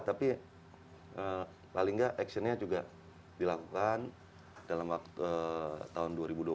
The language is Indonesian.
tapi paling nggak actionnya juga dilakukan dalam waktu tahun dua ribu dua puluh